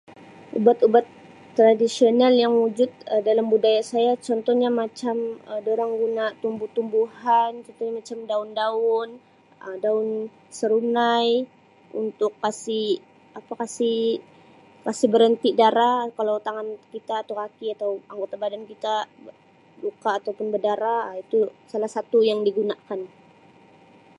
Ubat-ubat tradisional yang wujud Um dalam budaya saya contohnya macam Um dorang guna tumbuh-tumbuhan contohnya macam daun-daun Um daun serunai untuk kasi apa kasi kasi berenti darah kalau tangan kita atau kaki atau anggota badan kita luka atau pum bedarah Um itu salah satu yang digunakan.